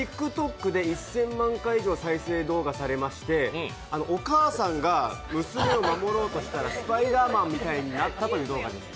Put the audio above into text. ＴｉｋＴｏｋで１０００万回以上再生されまして、お母さんが娘を守ろうとしたらスパイダーマンみたいになったという動画です。